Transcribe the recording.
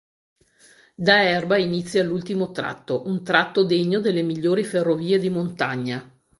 Da Erba inizia l'ultimo tratto, un tratto degno delle migliori ferrovie di montagna.